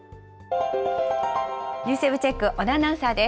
ＮＥＷＳＷＥＢチェック、小野アナウンサーです。